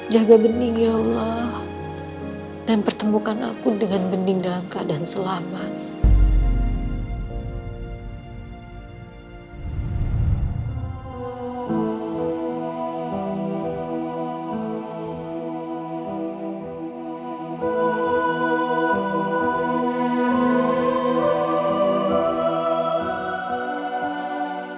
jaga bening ya allah dan pertemukan aku dengan bening dalam keadaan selamat